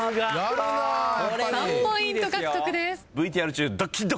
３ポイント獲得です。